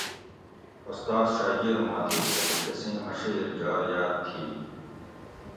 اُستاد شاگیر ما تھی تھہ کہ کۤسیں مشھیر جار یاد تھی؟